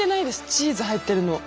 チーズ入ってるの。